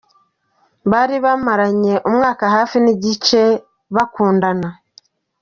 R Tӱdens, bari bamaranye umwaka hafi n’igice bakundana.